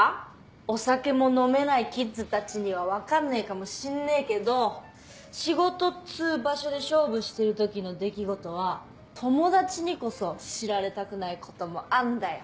お酒も飲めないキッズたちには分かんねえかもしんねえけど仕事っつう場所で勝負してる時の出来事は友達にこそ知られたくないこともあんだよ。